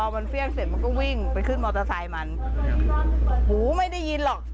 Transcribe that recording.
มันเฟี่ยงเสร็จมันก็วิ่งไปขึ้นมอเตอร์ไซค์มันหูไม่ได้ยินหรอก